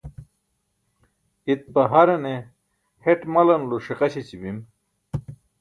itpa harane heṭ malanulo ṣiqa śeći bim